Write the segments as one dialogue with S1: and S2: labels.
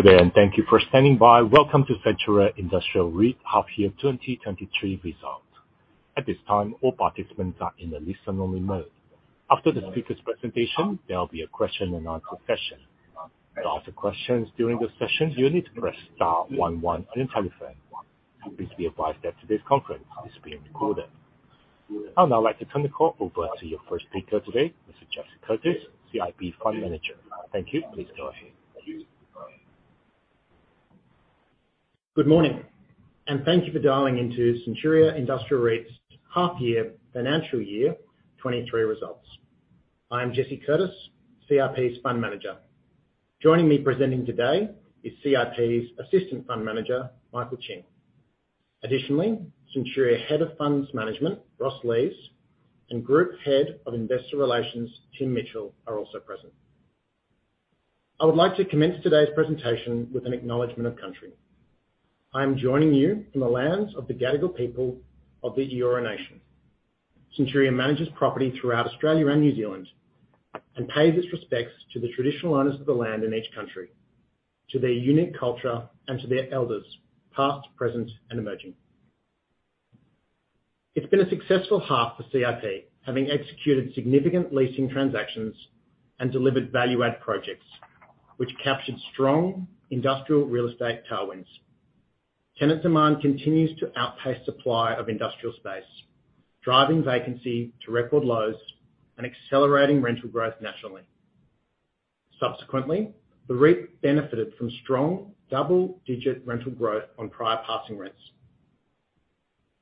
S1: Good day, thank you for standing by. Welcome to Centuria Industrial REIT Half Year 2023 Results. At this time, all participants are in a listen-only mode. After the speaker's presentation, there'll be a question and answer session. To ask questions during the session, you'll need to press star 11 on your telephone. Please be advised that today's conference is being recorded. I would now like to turn the call over to your first speaker today, Mr. Jesse Curtis, CIP Fund Manager. Thank you. Please go ahead. Thank you.
S2: Good morning, thank you for dialing into Centuria Industrial REIT's half-year financial year 2023 results. I'm Jesse Curtis, CIP's Fund Manager. Joining me presenting today is CIP's Assistant Fund Manager, Michael Ching. Additionally, Centuria Head of Funds Management, Ross Lees, and Group Head of Investor Relations, Tim Mitchell, are also present. I would like to commence today's presentation with an acknowledgement of country. I am joining you from the lands of the Gadigal people of the Eora Nation. Centuria manages property throughout Australia and New Zealand and pays its respects to the traditional owners of the land in each country, to their unique culture, and to their elders, past, present, and emerging. It's been a successful half for CIP, having executed significant leasing transactions and delivered value add projects which captured strong industrial real estate tailwinds. Tenant demand continues to outpace supply of industrial space, driving vacancy to record lows and accelerating rental growth nationally. Subsequently, the REIT benefited from strong double-digit rental growth on prior passing rents.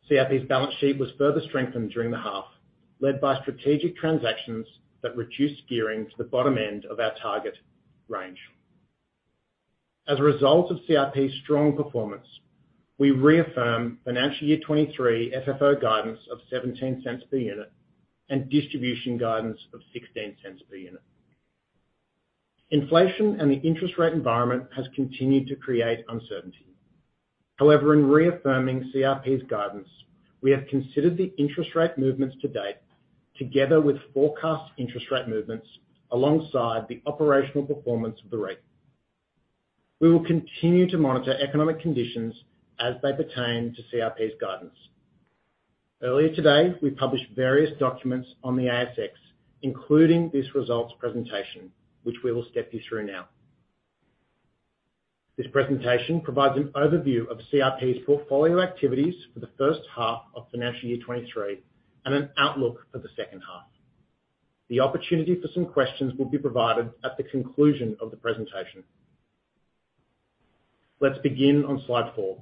S2: CIP's balance sheet was further strengthened during the half, led by strategic transactions that reduced gearing to the bottom end of our target range. As a result of CIP's strong performance, we reaffirm financial year 2023 FFO guidance of 0.17 per unit and distribution guidance of 0.16 per unit. Inflation and the interest rate environment has continued to create uncertainty. In reaffirming CIP's guidance, we have considered the interest rate movements to date, together with forecast interest rate movements, alongside the operational performance of the REIT. We will continue to monitor economic conditions as they pertain to CIP's guidance. Earlier today, we published various documents on the ASX, including this results presentation, which we will step you through now. This presentation provides an overview of CIP's portfolio activities for the first half of financial year 2023, and an outlook for the second half. The opportunity for some questions will be provided at the conclusion of the presentation. Let's begin on slide 4.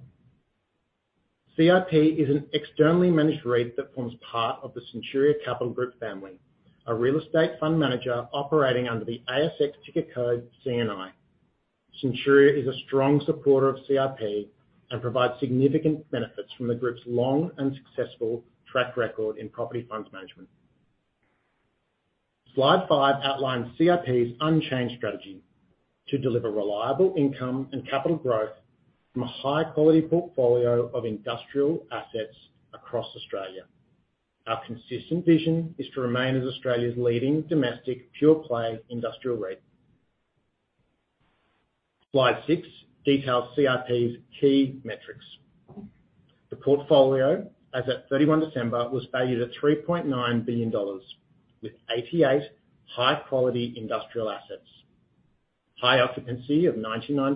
S2: CIP is an externally managed REIT that forms part of the Centuria Capital Group family, a real estate fund manager operating under the ASX ticker code CNI. Centuria is a strong supporter of CIP and provides significant benefits from the group's long and successful track record in property funds management. Slide 5 outlines CIP's unchanged strategy to deliver reliable income and capital growth from a high-quality portfolio of industrial assets across Australia. Our consistent vision is to remain as Australia's leading domestic pure play industrial REIT. Slide six details CIP's key metrics. The portfolio, as at 31 December, was valued at 3.9 billion dollars, with 88 high-quality industrial assets, high occupancy of 99%,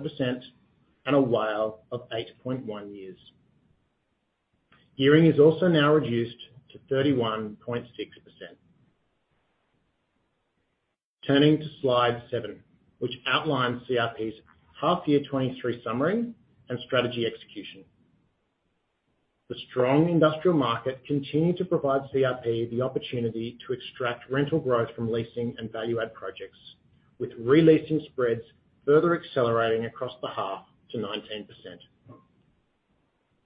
S2: and a WALE of 8.1 years. Gearing is also now reduced to 31.6%. Turning to slide seven, which outlines CIP's half year 2023 summary and strategy execution. The strong industrial market continued to provide CIP the opportunity to extract rental growth from leasing and value-add projects, with re-leasing spreads further accelerating across the half to 19%.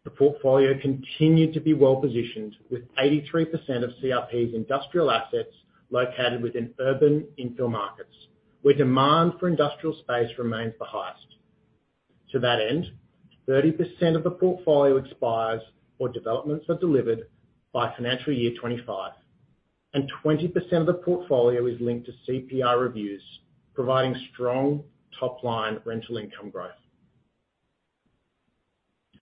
S2: The portfolio continued to be well-positioned with 83% of CIP's industrial assets located within urban infill markets, where demand for industrial space remains the highest. To that end, 30% of the portfolio expires or developments are delivered by financial year 2025. Twenty percent of the portfolio is linked to CPI reviews, providing strong top-line rental income growth.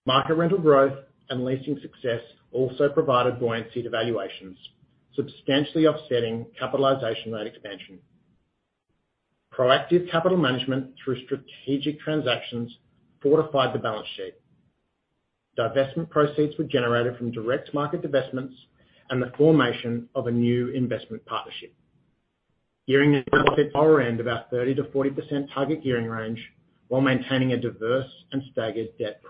S2: Market rental growth and leasing success also provided buoyancy to valuations, substantially offsetting capitalization rate expansion. Proactive capital management through strategic transactions fortified the balance sheet. Divestment proceeds were generated from direct market divestments and the formation of a new investment partnership. Gearing is lower end, about 30%-40% target gearing range, while maintaining a diverse and staggered debt.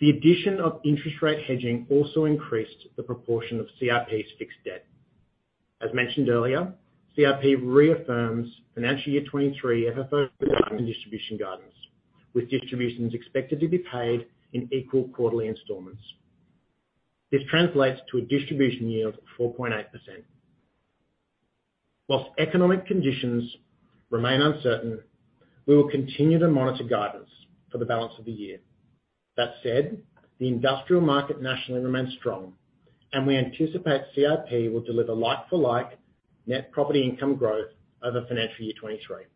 S2: The addition of interest rate hedging also increased the proportion of CIP's fixed debt. As mentioned earlier, CIP reaffirms financial year 2023 FFO guidance and distribution guidance, with distributions expected to be paid in equal quarterly installments. This translates to a distribution yield of 4.8%. Whilst economic conditions remain uncertain, we will continue to monitor guidance for the balance of the year. That said, the industrial market nationally remains strong, and we anticipate CIP will deliver like-for-like net property income growth over financial year 2023.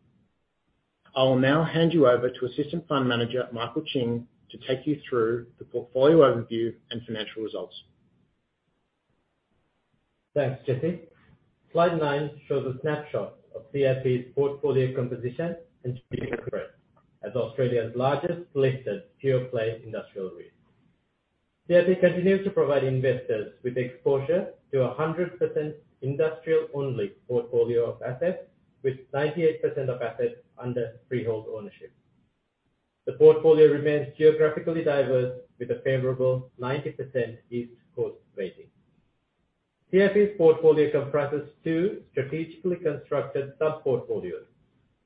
S2: I will now hand you over to Assistant Fund Manager, Michael Ching, to take you through the portfolio overview and financial results.
S3: Thanks, Jesse. Slide nine shows a snapshot of CIP's portfolio composition and as Australia's largest listed pure-play industrial REIT. CIP continues to provide investors with exposure to a 100% industrial-only portfolio of assets, with 98% of assets under freehold ownership. The portfolio remains geographically diverse with a favorable 90% East Coast weighting. CIP's portfolio comprises two strategically constructed sub-portfolios,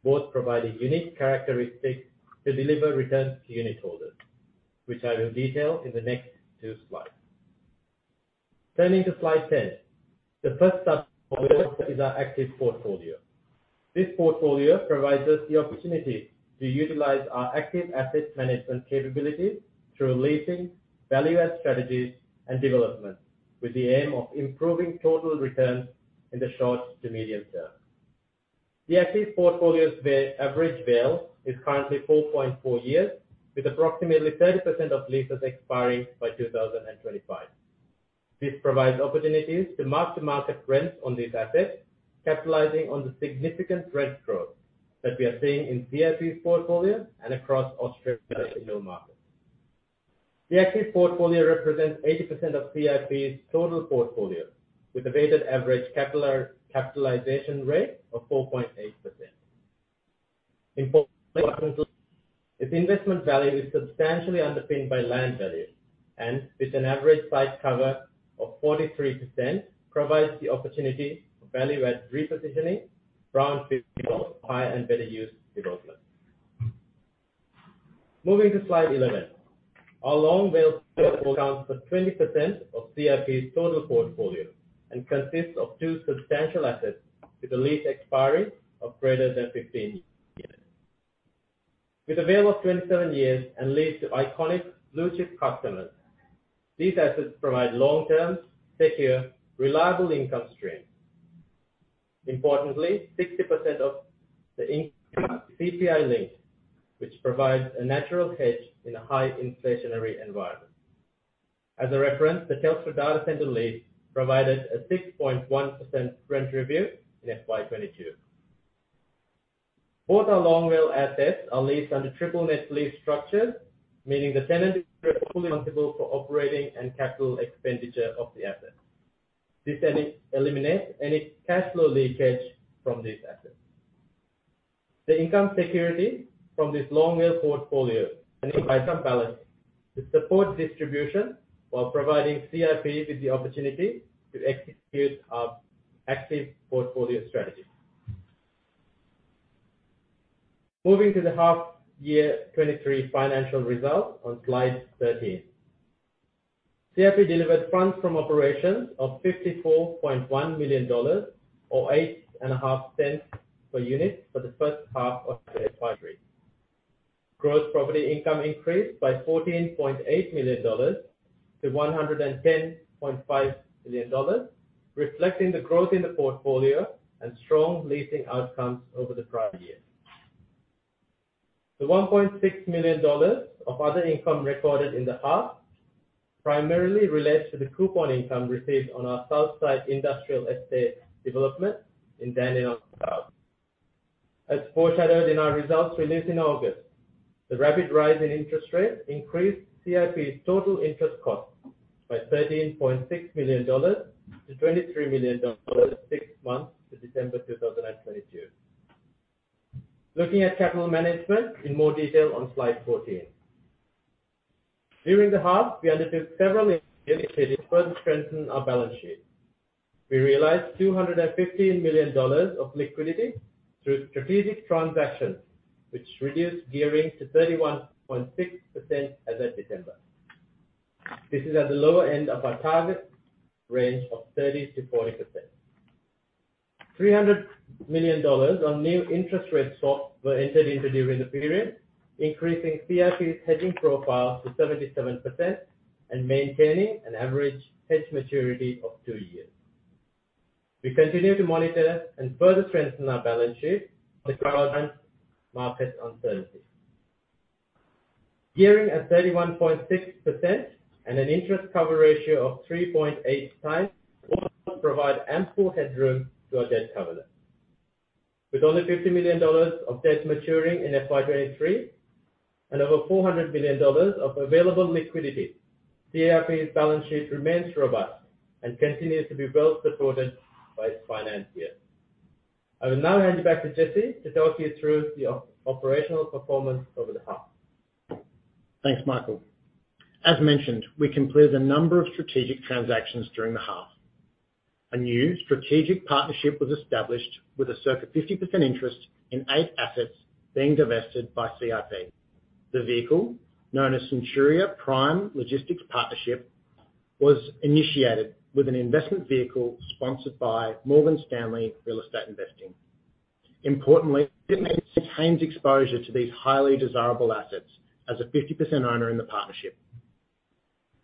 S3: both providing unique characteristics to deliver returns to unitholders, which I will detail in the next two slides. Turning to slide 10. The first sub-portfolio is our active portfolio. This portfolio provides us the opportunity to utilize our active asset management capabilities through leasing, value-add strategies, and development, with the aim of improving total returns in the short to medium term. The active portfolio's average WALE is currently 4.4 years, with approximately 30% of leases expiring by 2025. This provides opportunities to mark the market rents on these assets, capitalizing on the significant rent growth that we are seeing in CIP's portfolio and across Australia's industrial market. The active portfolio represents 80% of CIP's total portfolio, with a weighted average capitalization rate of 4.8%. Importantly, its investment value is substantially underpinned by land value, and with an average site cover of 43%, provides the opportunity for value add repositioning, brownfield development, higher and better use development. Moving to slide 11. Our long WALE portfolio accounts for 20% of CIP's total portfolio and consists of two substantial assets with the lease expiry of greater than 15 years. With a WALE of 27 years and leads to iconic blue chip customers, these assets provide long term, secure, reliable income streams. Importantly, 60% of the CPI linked, which provides a natural hedge in a high inflationary environment. As a reference, the Telstra Data Centre lease provided a 6.1% rent review in FY 2022. Both our long WALE assets are leased under triple net lease structures, meaning the tenants are fully accountable for operating and capital expenditure of the assets. This eliminates any cash flow leakage from these assets. The income security from this long WALE portfolio can be quite unbalanced to support distribution while providing CIP with the opportunity to execute our active portfolio strategy. Moving to the half year 2023 financial results on slide 13. CIP delivered funds from operations of 54.1 million dollars or 0.085 per unit for the first half of FY 2023. Gross property income increased by 14.8 million dollars to 110.5 million dollars, reflecting the growth in the portfolio and strong leasing outcomes over the prior year. The 1.6 million dollars of other income recorded in the half primarily relates to the coupon income received on our Southside Industrial Estate development in Dandenong South. As foreshadowed in our results released in August, the rapid rise in interest rates increased CIP's total interest costs by 13.6 million dollars to 23 million dollars six months to December 2022. Looking at capital management in more detail on slide 14. During the half, we undertook several initiatives to further strengthen our balance sheet. We realized 215 million dollars of liquidity through strategic transactions, which reduced gearing to 31.6% as at December. This is at the lower end of our target range of 30%-40%. 300 million dollars on new interest rate swaps were entered into during the period, increasing CIP's hedging profile to 77% and maintaining an average hedge maturity of two years. We continue to monitor and further strengthen our balance sheet with current market uncertainty. Gearing at 31.6% and an interest cover ratio of 3.8 times provide ample headroom to our debt covenant. Only 50 million dollars of debt maturing in FY 2023 and over 400 million dollars of available liquidity, CIP's balance sheet remains robust and continues to be well supported by its financiers. I will now hand you back to Jesse to talk you through the operational performance over the half.
S2: Thanks, Michael. As mentioned, we completed a number of strategic transactions during the half. A new strategic partnership was established with a circa 50% interest in 8 assets being divested by CIP. The vehicle, known as Centuria Prime Logistics Partnership, was initiated with an investment vehicle sponsored by Morgan Stanley Real Estate Investing. Importantly, it maintains exposure to these highly desirable assets as a 50% owner in the partnership.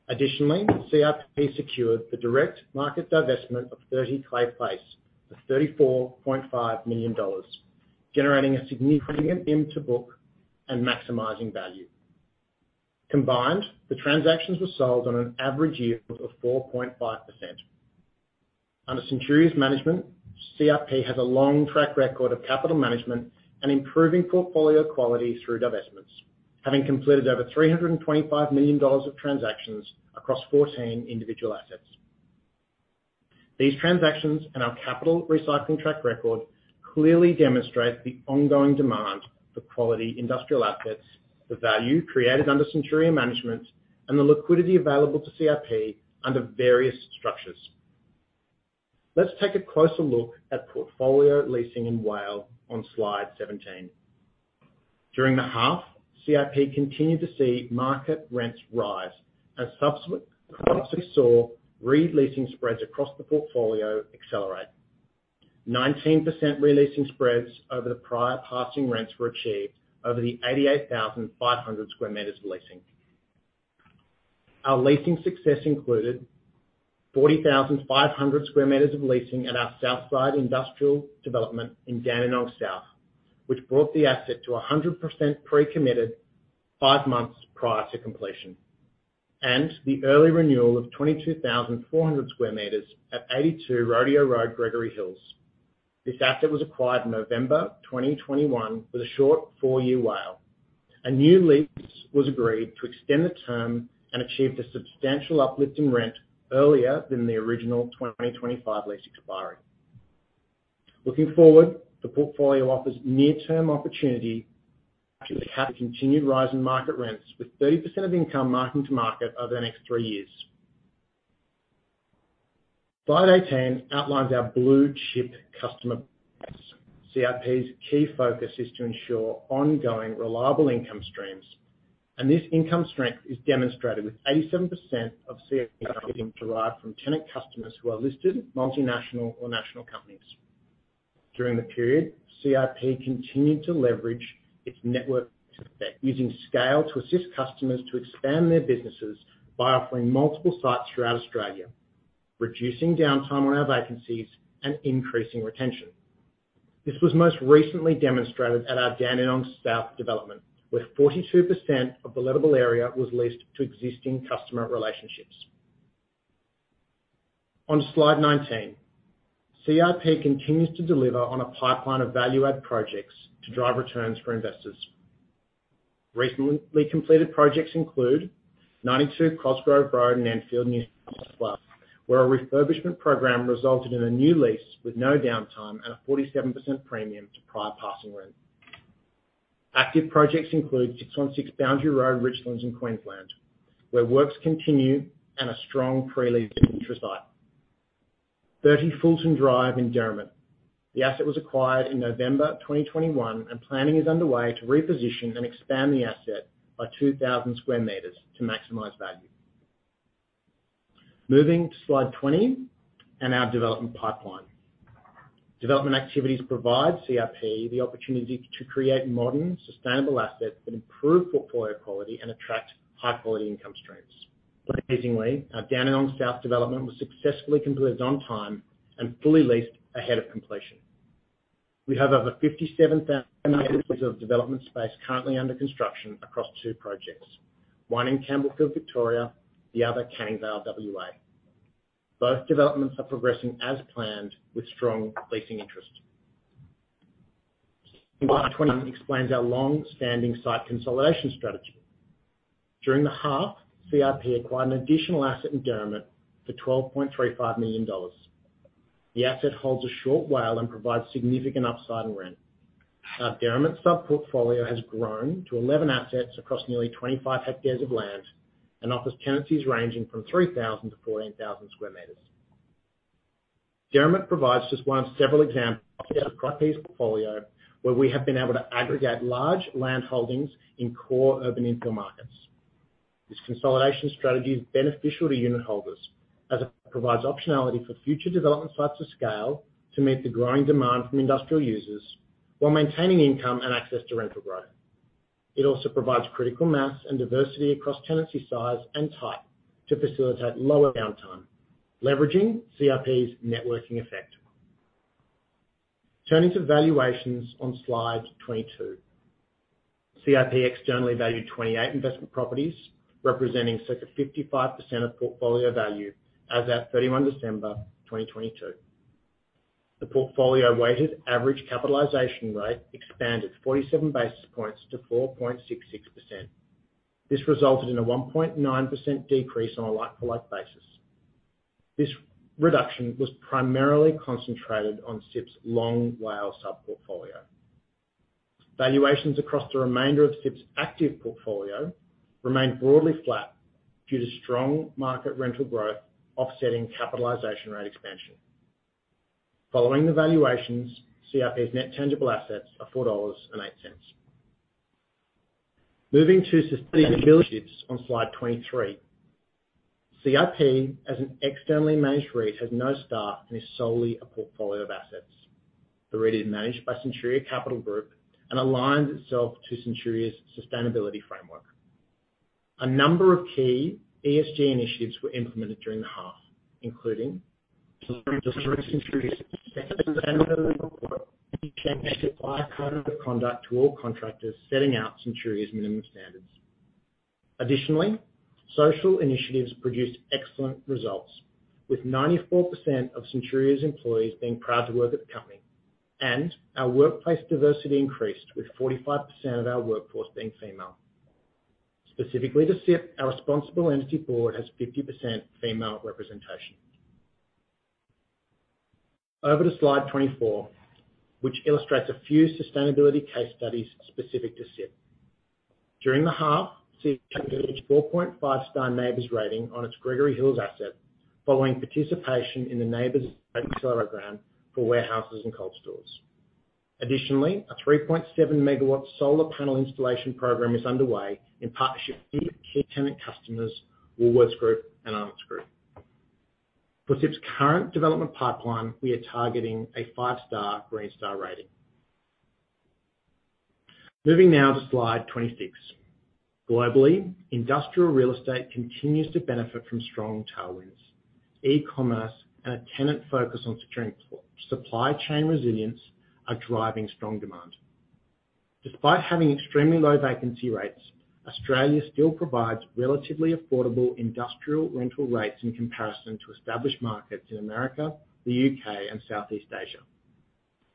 S2: Additionally, CIP secured the direct market divestment of 30 Clay Place for 34.5 million dollars, generating a significant BIM to book and maximizing value. Combined, the transactions were sold on an average yield of 4.5%. Under Centuria's management, CIP has a long track record of capital management and improving portfolio quality through divestments, having completed over 325 million dollars of transactions across 14 individual assets. These transactions and our capital recycling track record clearly demonstrate the ongoing demand for quality industrial assets, the value created under Centuria management, and the liquidity available to CIP under various structures. Let's take a closer look at portfolio leasing in WALE on slide 17. During the half, CIP continued to see market rents rise as subsequent parts we saw re-leasing spreads across the portfolio accelerate. 19% re-leasing spreads over the prior passing rents were achieved over the 88,500 square meters of leasing. Our leasing success included 40,500 square meters of leasing at our Southside Industrial Estate in Dandenong South, which brought the asset to 100% pre-committed 5 months prior to completion, and the early renewal of 22,400 square meters at 82 Rodeo Road, Gregory Hills. This asset was acquired November 2021 with a short 4-year WALE. A new lease was agreed to extend the term and achieved a substantial uplift in rent earlier than the original 2025 leasing expiry. Looking forward, the portfolio offers near-term opportunity to have a continued rise in market rents, with 30% of income marking to market over the next three years. Slide 18 outlines our blue chip customer base. CIP's key focus is to ensure ongoing reliable income streams, and this income strength is demonstrated with 87% of CIP income derived from tenant customers who are listed, multinational or national companies. During the period, CIP continued to leverage its network, using scale to assist customers to expand their businesses by offering multiple sites throughout Australia, reducing downtime on our vacancies and increasing retention. This was most recently demonstrated at our Dandenong South development, where 42% of the lettable area was leased to existing customer relationships. On slide 19, CIP continues to deliver on a pipeline of value-add projects to drive returns for investors. Recently completed projects include 92 Cosgrove Road in Enfield, New South Wales, where a refurbishment program resulted in a new lease with no downtime and a 47% premium to prior passing rent. Active projects include 616 Boundary Road, Richlands in Queensland, where works continue and a strong pre-lease interest site. 30 Fulton Drive in Derrimut. The asset was acquired in November 2021, planning is underway to reposition and expand the asset by 2,000 square meters to maximize value. Moving to slide 20 and our development pipeline. Development activities provide CIP the opportunity to create modern, sustainable assets that improve portfolio quality and attract high-quality income streams. Pleasingly, our Dandenong South development was successfully completed on time and fully leased ahead of completion. We have over 57,000 square meters of development space currently under construction across two projects, one in Campbellfield, Victoria, the other Canning Vale, WA. Both developments are progressing as planned with strong leasing interest. Slide 20 explains our long-standing site consolidation strategy. During the half, CIP acquired an additional asset in Derrimut for 12.35 million dollars. The asset holds a short WALE and provides significant upside and rent. Our Derrimut sub-portfolio has grown to 11 assets across nearly 25 hectares of land and offers tenancies ranging from 3,000 to 14,000 square meters. Derrimut provides just one of several examples of CIP's portfolio where we have been able to aggregate large landholdings in core urban infill markets. This consolidation strategy is beneficial to unitholders as it provides optionality for future development sites to scale to meet the growing demand from industrial users while maintaining income and access to rental growth. It also provides critical mass and diversity across tenancy size and type to facilitate lower downtime, leveraging CIP's networking effect. Turning to valuations on slide 22. CIP externally valued 28 investment properties, representing circa 55% of portfolio value as at 31 December 2022. The portfolio weighted average capitalization rate expanded 47 basis points to 4.66%. This resulted in a 1.9% decrease on a like-for-like basis. This reduction was primarily concentrated on CIP's long WALE sub-portfolio. Valuations across the remainder of CIP's active portfolio remained broadly flat due to strong market rental growth offsetting capitalization rate expansion. Following the valuations, CIP's net tangible assets are 4.08 dollars. Moving to sustainability on slide 23. CIP as an externally managed REIT has no staff and is solely a portfolio of assets. The REIT is managed by Centuria Capital Group and aligns itself to Centuria's sustainability framework. A number of key ESG initiatives were implemented during the half, including Centuria's sustainability report, which changed its code of conduct to all contractors setting out Centuria's minimum standards. Additionally, social initiatives produced excellent results, with 94% of Centuria's employees being proud to work at the company, and our workplace diversity increased with 45% of our workforce being female. Specifically to CIP, our responsible entity board has 50% female representation. Over to slide 24, which illustrates a few sustainability case studies specific to CIP. During the half, CIP reached 4.5 star NABERS rating on its Gregory Hills asset following participation in the NABERS program for warehouses and cold stores. A 3.7 MW solar panel installation program is underway in partnership with key tenant customers, Woolworths Group and Arnott's Group. For CIP's current development pipeline, we are targeting a 5-star Green Star rating. Moving now to slide 26. Globally, industrial real estate continues to benefit from strong tailwinds. E-commerce and a tenant focus on securing supply chain resilience are driving strong demand. Despite having extremely low vacancy rates, Australia still provides relatively affordable industrial rental rates in comparison to established markets in America, the U.K., and Southeast Asia.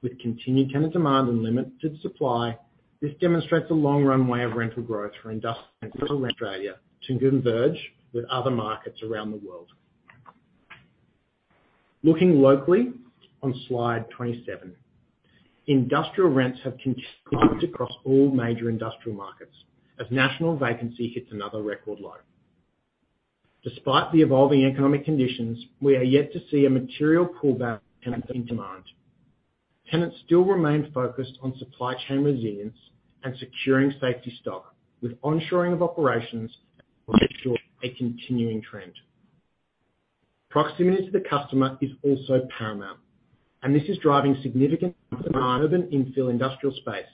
S2: With continued tenant demand and limited supply, this demonstrates a long runway of rental growth for industrial Australia to converge with other markets around the world. Looking locally on slide 27. Industrial rents have continued across all major industrial markets as national vacancy hits another record low. Despite the evolving economic conditions, we are yet to see a material pullback in demand. Tenants still remain focused on supply chain resilience and securing safety stock with onshoring of operations ensuring a continuing trend. Proximity to the customer is also paramount, and this is driving significant demand of an infill industrial space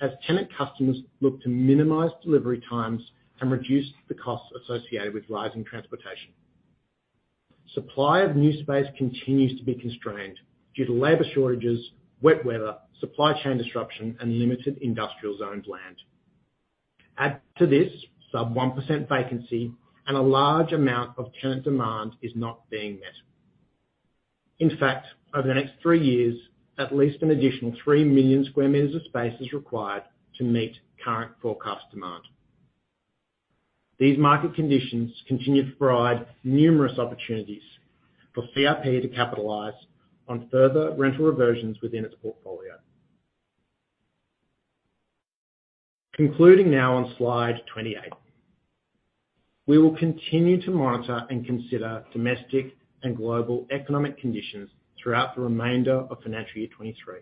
S2: as tenant customers look to minimize delivery times and reduce the costs associated with rising transportation. Supply of new space continues to be constrained due to labor shortages, wet weather, supply chain disruption, and limited industrial zoned land. Add to this, sub 1% vacancy and a large amount of tenant demand is not being met. In fact, over the next 3 years, at least an additional 3 million square meters of space is required to meet current forecast demand. These market conditions continue to provide numerous opportunities for CIP to capitalize on further rental reversions within its portfolio. Concluding now on slide 28. We will continue to monitor and consider domestic and global economic conditions throughout the remainder of financial year 23.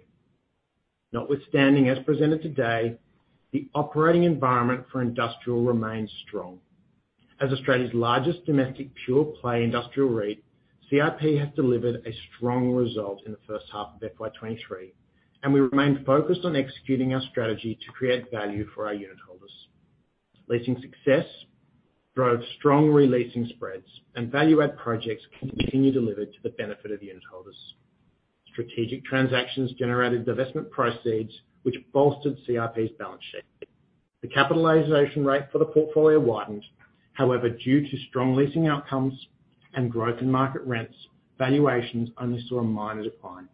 S2: As presented today, the operating environment for industrial remains strong. As Australia's largest domestic pure play industrial REIT, CIP has delivered a strong result in the first half of FY 23, and we remain focused on executing our strategy to create value for our unit holders. Leasing success drove strong re-leasing spreads and value-add projects continue delivered to the benefit of unit holders. Strategic transactions generated divestment proceeds, which bolstered CIP's balance sheet. The capitalization rate for the portfolio widened. Due to strong leasing outcomes and growth in market rents, valuations only saw a minor decline.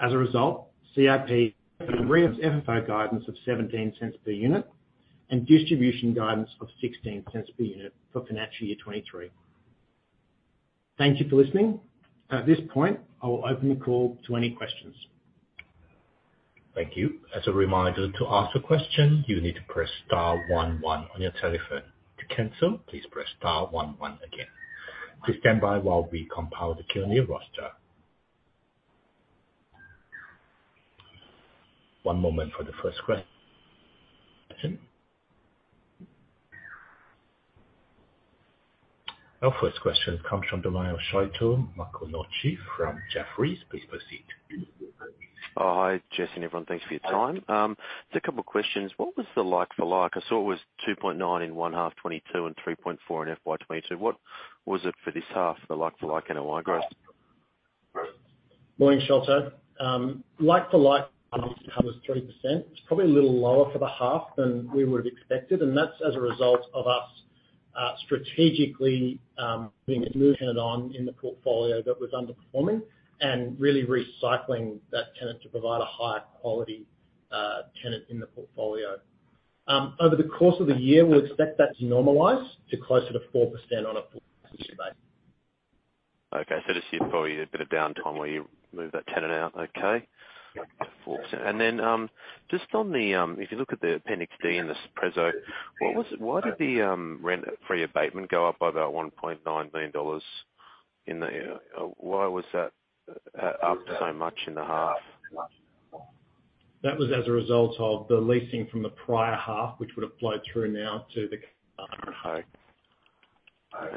S2: As a result, CIP brings FFO guidance of 0.17 per unit and distribution guidance of 0.16 per unit for financial year 2023. Thank you for listening. At this point, I will open the call to any questions.
S1: Thank you. As a reminder to ask a question, you need to press star one one on your telephone. To cancel, please press star one one again. Please stand by while we compile the queue new roster. One moment for the first question. Our first question comes from the Sholto Maconochie from Jefferies. Please proceed.
S4: Oh, hi, Jesse, and everyone. Thanks for your time. Just a couple questions. What was the like for like? I saw it was 2.9% in one half 2022 and 3.4% in FY 2022. What was it for this half, the like for like NOI growth?
S2: Morning, Sholto. Like for like, it was 3%. It's probably a little lower for the half than we would have expected, and that's as a result of us strategically being able to move tenant on in the portfolio that was underperforming and really recycling that tenant to provide a higher quality tenant in the portfolio. Over the course of the year, we expect that to normalize to closer to 4% on a full year base.
S4: This is probably a bit of downtime where you move that tenant out. Okay.
S2: Yeah.
S4: Just on the, if you look at the Appendix D in this prezo, why did the rent-free abatement go up by about 1.9 million dollars? Why was that up so much in the half?
S2: That was as a result of the leasing from the prior half, which would have flowed through now to the.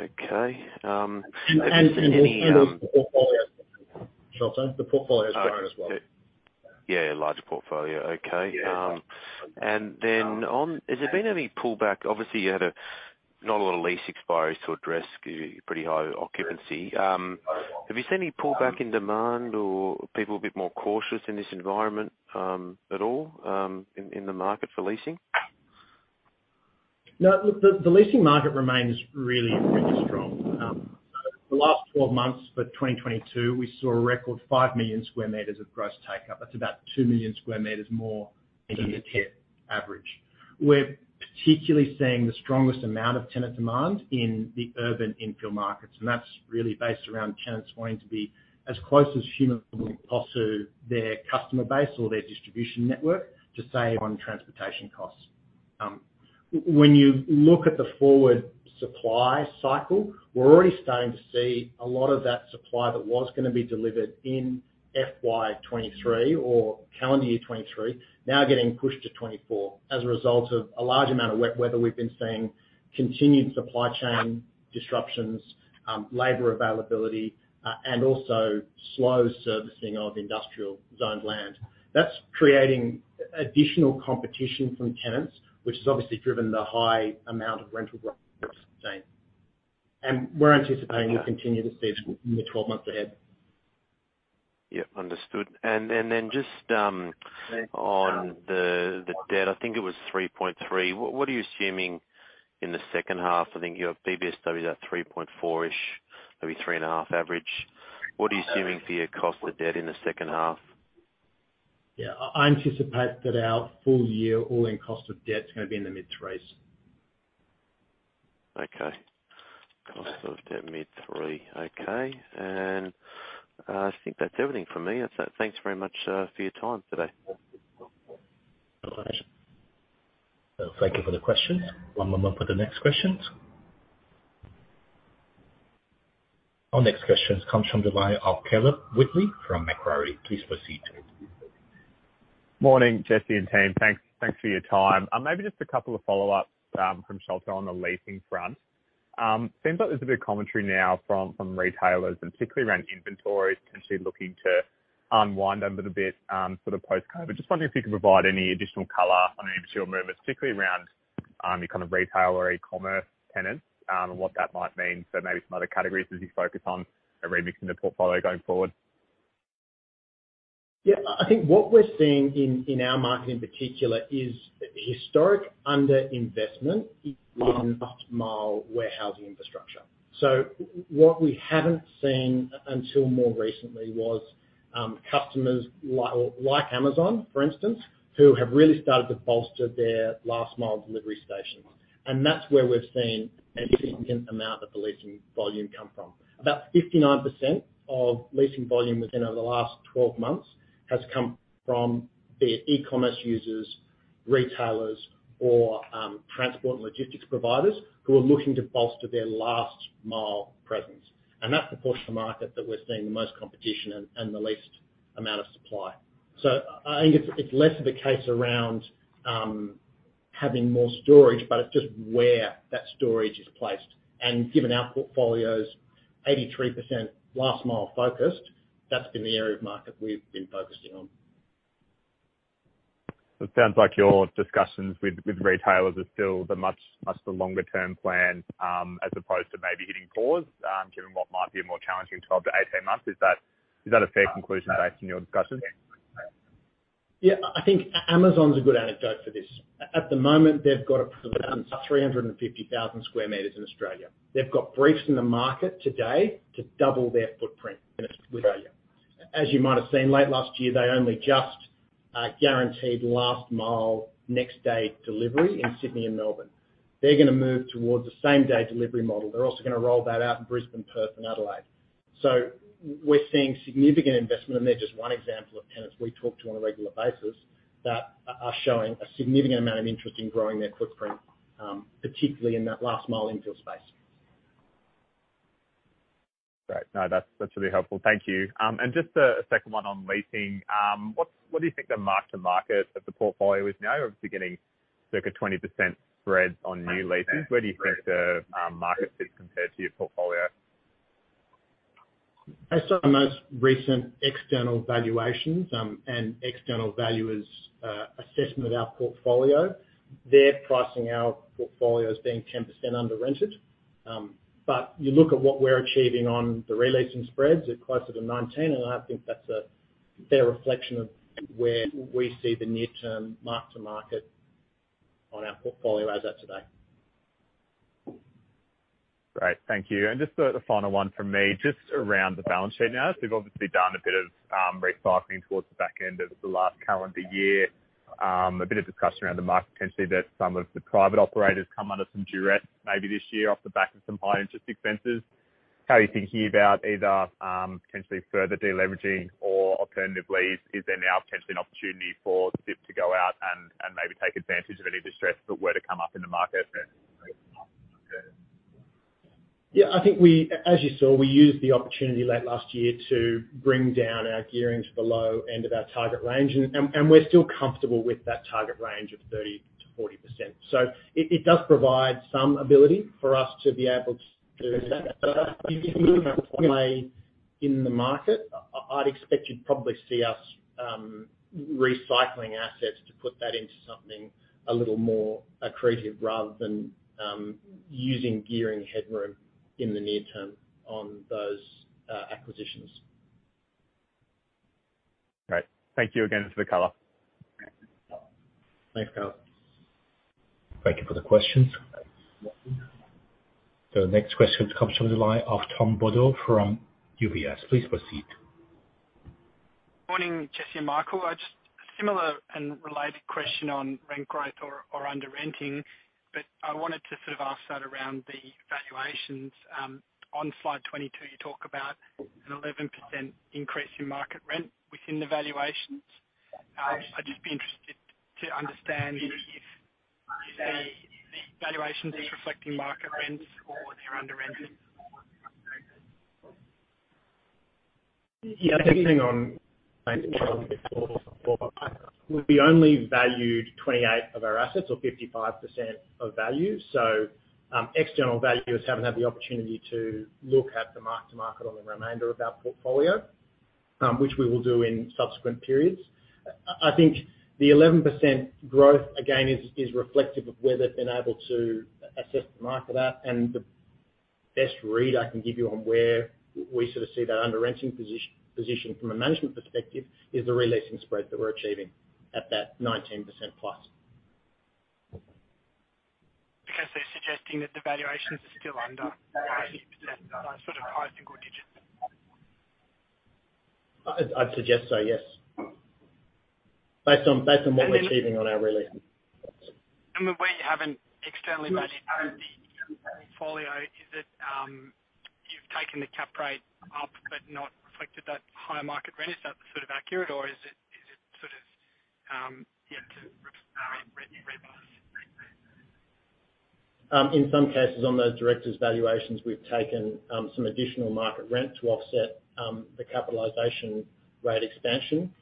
S4: Okay. Any.
S2: The portfolio. Shall I say, the portfolio has grown as well.
S4: Yeah, large portfolio. Okay.
S2: Yeah.
S4: Has there been any pullback? Obviously, you had a not a lot of lease expiries to address, pretty high occupancy. Have you seen any pullback in demand or people a bit more cautious in this environment, at all, in the market for leasing?
S2: No, look, the leasing market remains really, really strong. The last 12 months for 2022, we saw a record 5 million square meters of gross take up. That's about 2 million square meters more than the 10-year average. We're particularly seeing the strongest amount of tenant demand in the urban infill markets, that's really based around tenants wanting to be as close as humanly possible to their customer base or their distribution network to save on transportation costs. When you look at the forward supply cycle, we're already starting to see a lot of that supply that was gonna be delivered in FY 2023 or calendar year 2023 now getting pushed to 2024 as a result of a large amount of wet weather we've been seeing, continued supply chain disruptions, labor availability, and also slow servicing of industrial zoned land. That's creating additional competition from tenants, which has obviously driven the high amount of rental. We're anticipating to continue to see this in the 12 months ahead.
S4: Yeah. Understood. Then just on the debt, I think it was 3.3%. What are you assuming in the second half? I think your BBSW is at 3.4-ish%, maybe 3.5% average. What are you assuming for your cost of debt in the second half?
S2: Yeah. I anticipate that our full year all-in cost of debt is gonna be in the mid-threes.
S4: Okay. Cost of debt mid-three. Okay. I think that's everything for me. That's it. Thanks very much, for your time today.
S2: No worries.
S1: Thank you for the question. One moment for the next questions. Our next question comes from the line of Caleb Wheatley from Macquarie. Please proceed.
S5: Morning, Jesse and team. Thanks for your time. Maybe just a couple of follow-ups from Sholto on the leasing front. It seems like there's a bit of commentary now from retailers and particularly around inventories, potentially looking to unwind them a bit, sort of post-COVID. Just wondering if you could provide any additional color on any of your movements, particularly around your kind of retail or e-commerce tenants, and what that might mean? Maybe some other categories as you focus on remixing the portfolio going forward?
S2: Yeah. I think what we're seeing in our market in particular is historic underinvestment in last mile warehousing infrastructure. What we haven't seen until more recently was, customers like Amazon, for instance, who have really started to bolster their last mile delivery stations. That's where we've seen a significant amount of the leasing volume come from. About 59% of leasing volume within over the last 12 months has come from the e-commerce users, retailers or transport and logistics providers who are looking to bolster their last mile presence. That's the portion of market that we're seeing the most competition and the least amount of supply. I think it's less of a case around having more storage, but it's just where that storage is placed. Given our portfolio's 83% last mile focused, that's been the area of market we've been focusing on.
S5: It sounds like your discussions with retailers are still the much the longer term plan, as opposed to maybe hitting pause, given what might be a more challenging 12-18 months. Is that a fair conclusion based on your discussions?
S2: Yeah. I think Amazon's a good anecdote for this. At the moment, they've got around 350,000 square meters in Australia. They've got briefs in the market today to double their footprint in Australia. As you might have seen, late last year, they only just guaranteed last mile next day delivery in Sydney and Melbourne. They're going to move towards the same day delivery model. They're also going to roll that out in Brisbane, Perth, and Adelaide. We're seeing significant investment, and they're just one example of tenants we talk to on a regular basis that are showing a significant amount of interest in growing their footprint, particularly in that last mile infill space.
S5: Great. No, that's really helpful. Thank you. Just a second one on leasing. What do you think the mark-to-market of the portfolio is now? Obviously getting circa 20% spreads on new leases. Where do you think the market fits compared to your portfolio?
S2: Based on the most recent external valuations, and external valuers, assessment of our portfolio, they're pricing our portfolio as being 10% under rented. You look at what we're achieving on the re-leasing spreads at closer to 19%, and I think that's a fair reflection of where we see the near term mark-to-market on our portfolio as at today.
S5: Great. Thank you. Just the final one from me, just around the balance sheet now. We've obviously done a bit of recycling towards the back end of the last calendar year. A bit of discussion around the market potentially that some of the private operators come under some duress maybe this year off the back of some high interest expenses. How are you thinking about either, potentially further deleveraging or alternatively, is there now potentially an opportunity for the group to go out? We take advantage of any distress that were to come up in the market.
S2: I think as you saw, we used the opportunity late last year to bring down our gearing to the low end of our target range, and we're still comfortable with that target range of 30%-40%. It does provide some ability for us to be able to do that. In the market. I'd expect you'd probably see us recycling assets to put that into something a little more accretive rather than using gearing headroom in the near term on those acquisitions.
S5: All right. Thank you again for the color.
S2: Thanks, Caleb.
S1: Thank you for the questions. The next question comes from the line of Tom Bodor from UBS. Please proceed.
S6: Morning, Jesse and Michael. Similar and related question on rent growth or under renting, but I wanted to sort of ask that around the valuations. On slide 22, you talk about an 11% increase in market rent within the valuations. I'd just be interested to understand if the valuation is reflecting market rents or they're under rented.
S2: We only valued 28 of our assets or 55% of value. External valuers haven't had the opportunity to look at the mark-to-market on the remainder of our portfolio, which we will do in subsequent periods. I think the 11% growth, again, is reflective of where they've been able to assess the market at. The best read I can give you on where we sort of see that under renting position from a management perspective is the re-leasing spread that we're achieving at that 19% plus.
S6: Okay. You're suggesting that the valuations are still under sort of high single digits.
S2: I'd suggest so, yes. Based on what we're achieving on our re-lease.
S6: When we haven't externally valued the portfolio, is it, you've taken the cap rate up but not reflected that higher market rent? Is that sort of accurate or is it sort of yet to
S2: In some cases on those directors' valuations, we've taken some additional market rent to offset the capitalization rate expansion.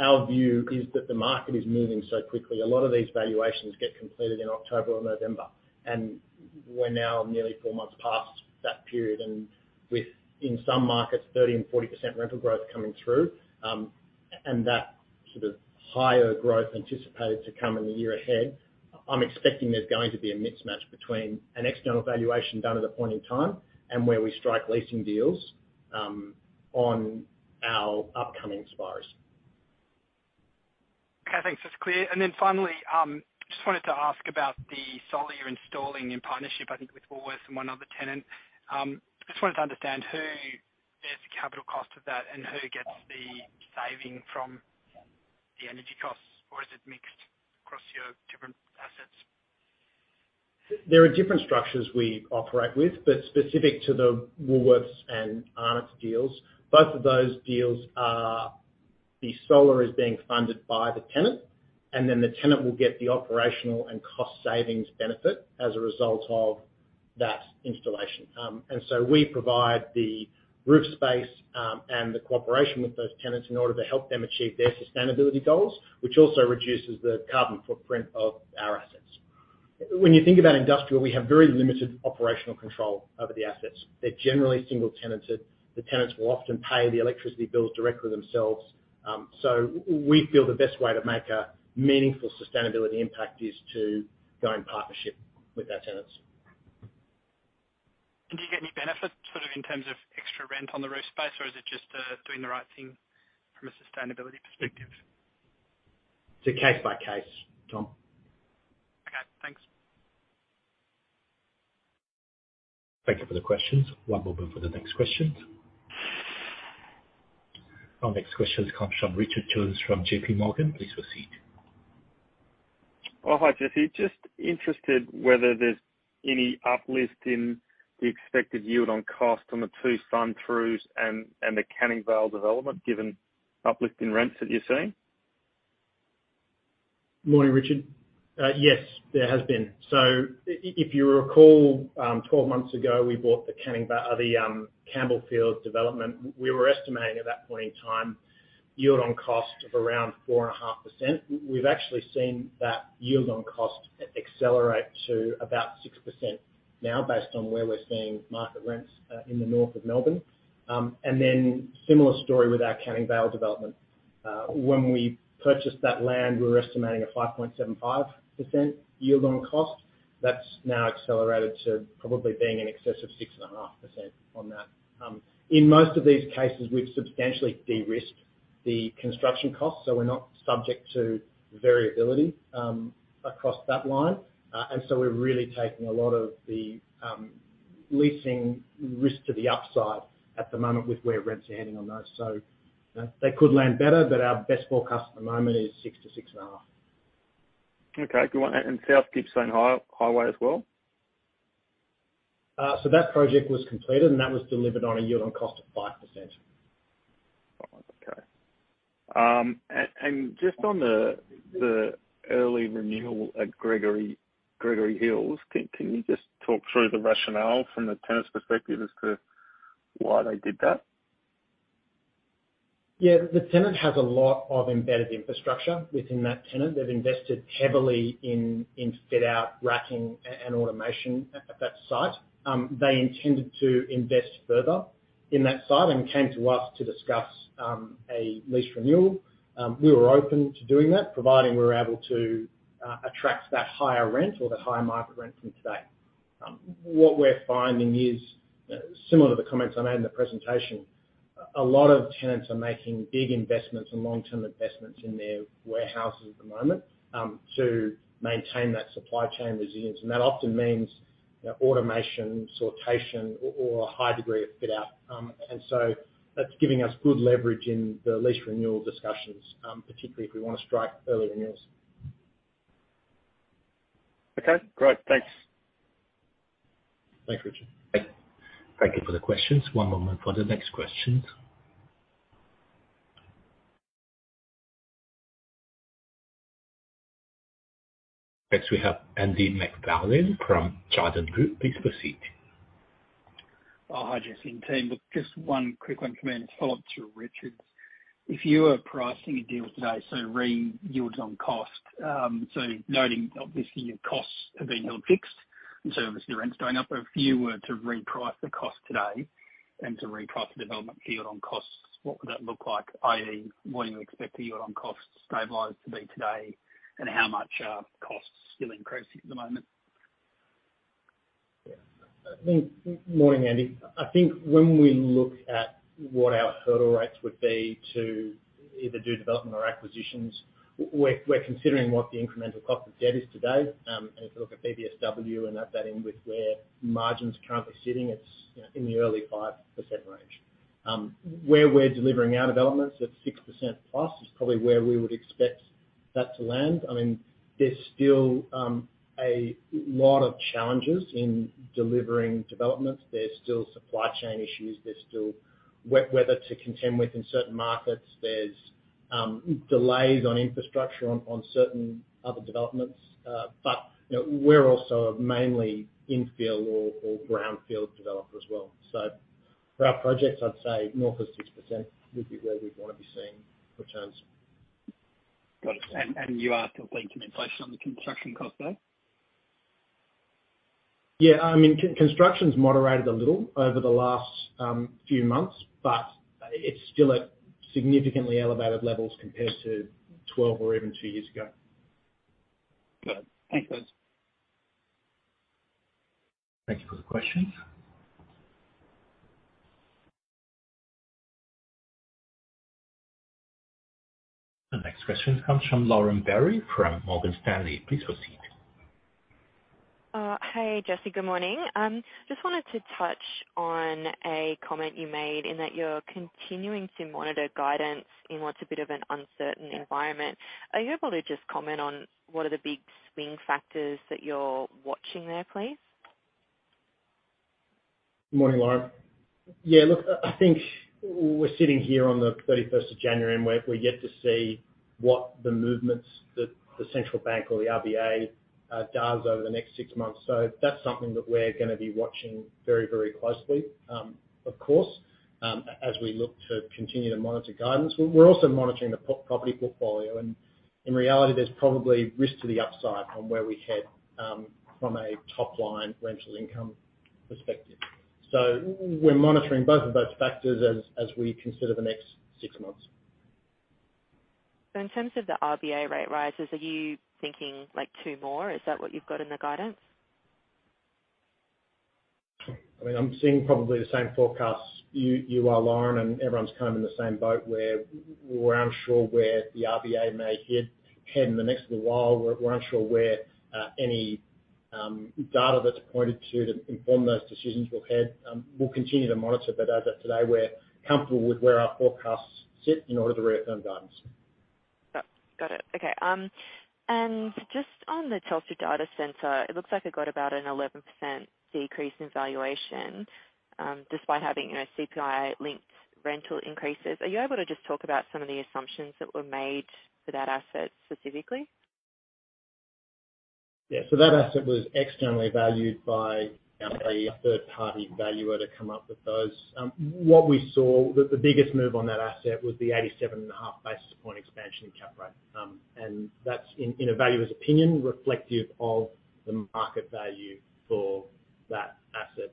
S2: Our view is that the market is moving so quickly. A lot of these valuations get completed in October or November, and we're now nearly four months past that period. With, in some markets, 30% and 40% rental growth coming through, and that sort of higher growth anticipated to come in the year ahead, I'm expecting there's going to be a mismatch between an external valuation done at a point in time and where we strike leasing deals on our upcoming expires.
S6: Okay, thanks. That's clear. Finally, just wanted to ask about the solar you're installing in partnership, I think with Woolworths and one other tenant. Just wanted to understand who bears the capital cost of that and who gets the saving from the energy costs, or is it mixed across your different assets?
S2: There are different structures we operate with, but specific to the Woolworths and Arnott's deals, both of those deals are, the solar is being funded by the tenant, and then the tenant will get the operational and cost savings benefit as a result of that installation. We provide the roof space and the cooperation with those tenants in order to help them achieve their sustainability goals, which also reduces the carbon footprint of our assets. When you think about industrial, we have very limited operational control over the assets. They're generally single tenanted. The tenants will often pay the electricity bills directly themselves. We feel the best way to make a meaningful sustainability impact is to go in partnership with our tenants.
S6: Do you get any benefit sort of in terms of extra rent on the roof space, or is it just doing the right thing from a sustainability perspective?
S2: It's a case by case, Tom.
S6: Okay, thanks.
S1: Thank you for the questions. One moment for the next question. Our next question comes from Richard Jones from JPMorgan. Please proceed.
S7: Oh, hi, Jesse. Just interested whether there's any uplift in the expected yield on cost on the two sun throughs and the Canning Vale development given uplift in rents that you're seeing?
S2: Morning, Richard. If you recall, 12 months ago, we bought the Campbellfield development. We were estimating at that point in time yield on cost of around 4.5%. We've actually seen that yield on cost accelerate to about 6% now based on where we're seeing market rents in the north of Melbourne. Then similar story with our Canning Vale development. When we purchased that land, we were estimating a 5.75% yield on cost. That's now accelerated to probably being in excess of 6.5% on that. In most of these cases, we've substantially de-risked the construction cost, so we're not subject to variability across that line. We're really taking a lot of the leasing risk to the upside at the moment with where rents are heading on those. They could land better, but our best forecast at the moment is 6-6.5.
S7: Okay. Good one. South Gippsland Highway as well?
S2: That project was completed, and that was delivered on a yield on cost of 5%.
S7: Five. Okay. Just on the early renewal at Gregory Hills, can you just talk through the rationale from the tenant's perspective as to why they did that?
S2: Yeah. The tenant has a lot of embedded infrastructure within that tenant. They've invested heavily in fit-out racking and automation at that site. They intended to invest further in that site and came to us to discuss a lease renewal. We were open to doing that, providing we were able to attract that higher rent or the higher market rent from today. What we're finding is, similar to the comments I made in the presentation, a lot of tenants are making big investments and long-term investments in their warehouses at the moment, to maintain that supply chain resilience. That often means, you know, automation, sortation, or a high degree of fit-out. That's giving us good leverage in the lease renewal discussions, particularly if we want to strike early renewals. Okay, great. Thanks.
S8: Thanks, Richard.
S1: Thank you for the questions. One moment for the next questions. Next we have Andrew MacFarlane from Jarden Group. Please proceed.
S9: Hi, Jesse and team. Look, just one quick one coming in as a follow-up to Richard's. If you are pricing a deal today, so re yields on cost, so noting obviously your costs have been held fixed and so obviously the rent's going up, but if you were to reprice the cost today and to reprice the development yield on costs, what would that look like, i.e. what do you expect the yield on costs stabilized to be today, and how much costs still increasing at the moment?
S2: Yeah. Morning, Andy. I think when we look at what our hurdle rates would be to either do development or acquisitions, we're considering what the incremental cost of debt is today. If you look at BBSW and that end with where margins are currently sitting, it's, you know, in the early 5% range. Where we're delivering our developments at 6% plus is probably where we would expect that to land. I mean, there's still a lot of challenges in delivering developments. There's still supply chain issues. There's still weather to contend with in certain markets. There's delays on infrastructure on certain other developments. You know, we're also mainly infield or brownfield developer as well. For our projects, I'd say north of 6% would be where we'd want to be seeing returns.
S9: Got it. You are still seeing some inflation on the construction cost there?
S2: Yeah. I mean, construction's moderated a little over the last few months, but it's still at significantly elevated levels compared to 12 or even 2 years ago.
S9: Good. Thanks, guys.
S1: Thank you for the question. The next question comes from Lauren Berry from Morgan Stanley. Please proceed.
S10: Hi, Jesse. Good morning. Just wanted to touch on a comment you made in that you're continuing to monitor guidance in what's a bit of an uncertain environment. Are you able to just comment on what are the big swing factors that you're watching there, please?
S2: Morning, Lauren. Yeah, look, I think we're sitting here on the 31st of January. We're yet to see what the movements that the central bank or the RBA does over the next six months. That's something that we're gonna be watching very closely, of course, as we look to continue to monitor guidance. We're also monitoring the property portfolio, and in reality, there's probably risk to the upside on where we head from a top-line rental income perspective. We're monitoring both of those factors as we consider the next six months.
S10: In terms of the RBA rate rises, are you thinking, like, two more? Is that what you've got in the guidance?
S2: I mean, I'm seeing probably the same forecasts you are, Lauren. Everyone's kind of in the same boat where we're unsure where the RBA may head in the next little while. We're unsure where any data that's pointed to inform those decisions will head. We'll continue to monitor. As of today, we're comfortable with where our forecasts sit in order to reconfirm guidance.
S10: Got it. Okay. Just on the Telstra Data Centre, it looks like it got about an 11% decrease in valuation, despite having, you know, CPI-linked rental increases. Are you able to just talk about some of the assumptions that were made for that asset specifically?
S2: That asset was externally valued by a third-party valuer to come up with those. What we saw, the biggest move on that asset was the 87.5 basis point expansion in cap rate. And that's in a valuer's opinion, reflective of the market value for that asset.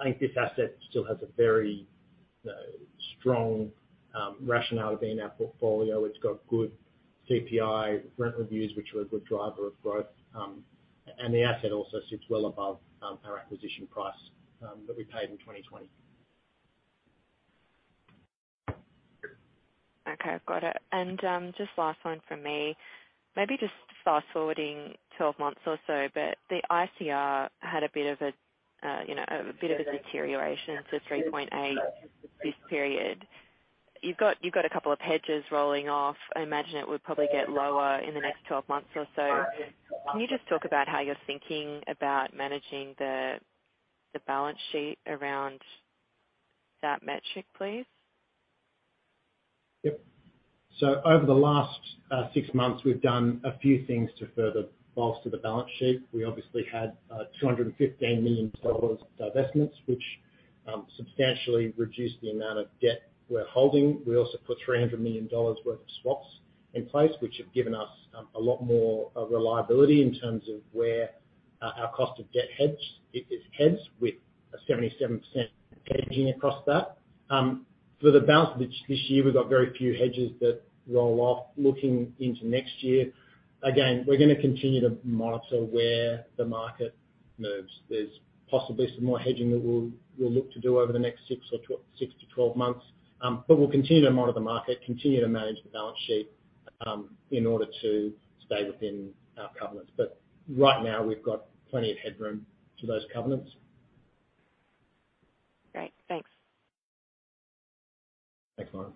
S2: I think this asset still has a very strong rationale to be in our portfolio. It's got good CPI rent reviews, which are a good driver of growth. And the asset also sits well above our acquisition price that we paid in 2020.
S10: Okay. Got it. Just last one from me. Maybe just fast-forwarding 12 months or so, but the ICR had a bit of a, you know, a bit of a deterioration to 3.8 this period. You've got a couple of hedges rolling off. I imagine it would probably get lower in the next 12 months or so. Can you just talk about how you're thinking about managing the balance sheet around that metric, please?
S2: Yep. Over the last six months, we've done a few things to further bolster the balance sheet. We obviously had 215 million dollars of divestments, which substantially reduced the amount of debt we're holding. We also put 300 million dollars worth of swaps in place, which have given us a lot more reliability in terms of where our cost of debt hedge, it heads with a 77% hedging across that. For the balance of this year, we've got very few hedges that roll off looking into next year. Again, we're gonna continue to monitor where the market moves. There's possibly some more hedging that we'll look to do over the next 6-12 months. We'll continue to monitor the market, continue to manage the balance sheet, in order to stay within our covenants. Right now, we've got plenty of headroom to those covenants.
S10: Great. Thanks.
S2: Thanks, Lauren.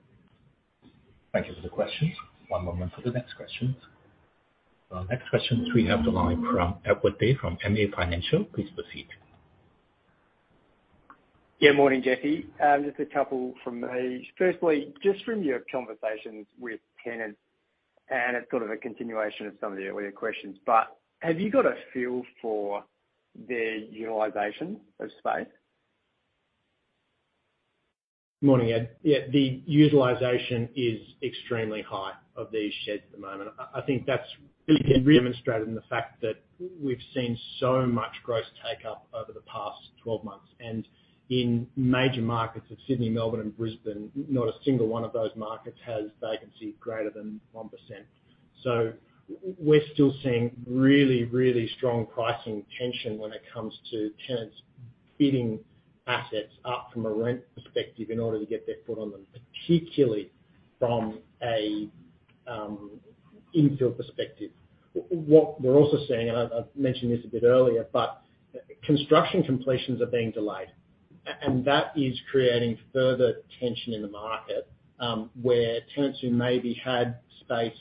S1: Thank you for the question. One moment for the next question. Next question, we have the line from Edward Day from MA Financial. Please proceed.
S11: Yeah. Morning, Jesse. Just a couple from me. Firstly, just from your conversations with tenants, and it's sort of a continuation of some of the earlier questions, but have you got a feel for their utilization of space?
S2: Morning, Edward. Yeah, the utilization is extremely high of these sheds at the moment. I think that's been demonstrated in the fact that we've seen so much gross take up over the past 12 months. In major markets of Sydney, Melbourne, and Brisbane, not a single one of those markets has vacancy greater than 1%. We're still seeing really strong pricing tension when it comes to tenants bidding assets up from a rent perspective in order to get their foot on them, particularly from an infill perspective. What we're also seeing, I've mentioned this a bit earlier, construction completions are being delayed. That is creating further tension in the market, where tenants who maybe had space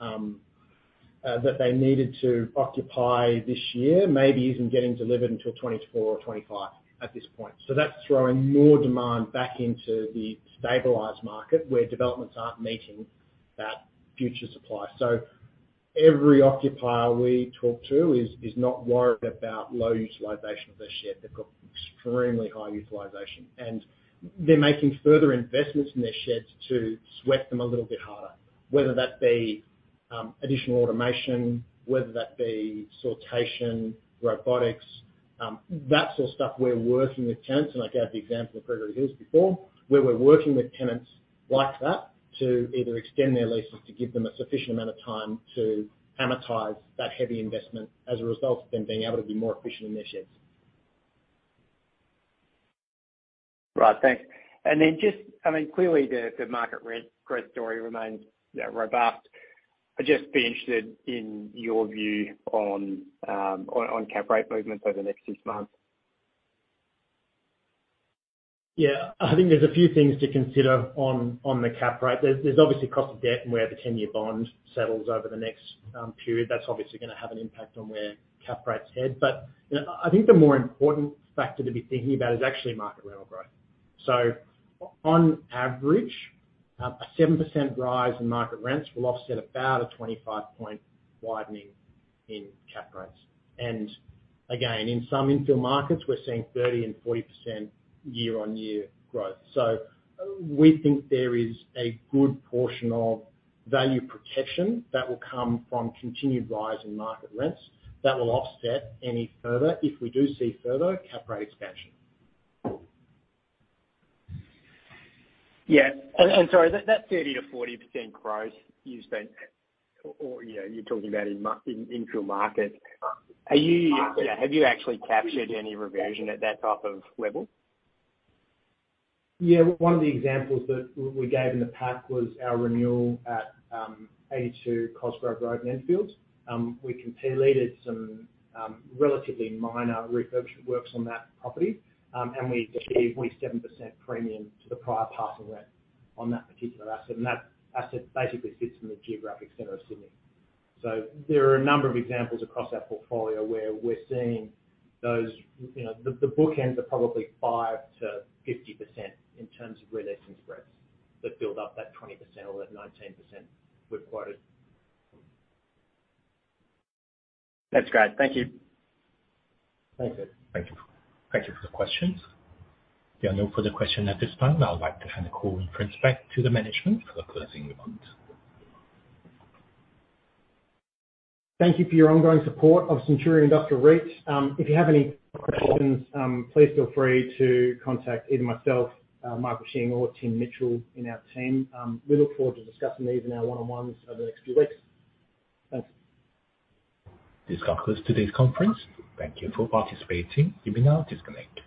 S2: that they needed to occupy this year maybe isn't getting delivered until 2024 or 2025 at this point. That's throwing more demand back into the stabilized market where developments aren't meeting that future supply. Every occupier we talk to is not worried about low utilization of their shed. They've got extremely high utilization, and they're making further investments in their sheds to sweat them a little bit harder. Whether that be additional automation, whether that be sortation, robotics, that sort of stuff we're working with tenants, and I gave the example of Gregory Hills before, where we're working with tenants like that to either extend their leases to give them a sufficient amount of time to amortize that heavy investment as a result of them being able to be more efficient in their sheds.
S11: Right. Thanks. Then just, I mean, clearly the market rent growth story remains, you know, robust. I'd just be interested in your view on cap rate movements over the next six months.
S2: Yeah. I think there's a few things to consider on the cap rate. There's obviously cost of debt and where the 10-year bond settles over the next period. That's obviously gonna have an impact on where cap rates head. You know, I think the more important factor to be thinking about is actually market rental growth. On average, a 7% rise in market rents will offset about a 25-point widening in cap rates. In some infill markets, we're seeing 30% and 40% year-on-year growth. We think there is a good portion of value protection that will come from continued rise in market rents that will offset any further, if we do see further, cap rate expansion.
S11: Yeah. Sorry, that 30%-40% growth or yeah, you're talking about in infill markets, yeah, have you actually captured any reversion at that type of level?
S2: Yeah. One of the examples that we gave in the pack was our renewal at 82 Cosgrove Road, Mansfield. We completed some relatively minor refurbishment works on that property, and we achieved a 27% premium to the prior passing rent on that particular asset. That asset basically sits in the geographic center of Sydney. There are a number of examples across our portfolio where we're seeing those, you know, the bookends are probably 5%-50% in terms of where they're seeing spreads that build up that 20% or that 19% we've quoted.
S11: That's great. Thank you.
S2: Thanks, Ed.
S1: Thank you. Thank you for the questions. There are no further questions at this time. I'd like to hand the call in first back to the management for the closing comments.
S2: Thank you for your ongoing support of Centuria Industrial REIT. If you have any questions, please feel free to contact either myself, Michael Ching, or Tim Mitchell in our team. We look forward to discussing these in our one-on-ones over the next few weeks. Thanks.
S1: This concludes today's conference. Thank you for participating. You may now disconnect.